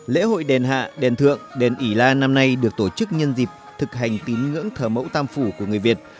lễ hội đền hạ đền thượng đền ỉ la năm nay được tổ chức nhân dịp thực hành tín ngưỡng thờ mẫu tam phủ của người việt